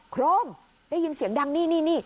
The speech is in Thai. โครมได้ยินเสียงดังนี่นี่